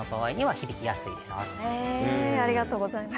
へぇありがとうございます。